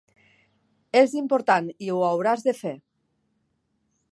Es important i ho hauràs de fer.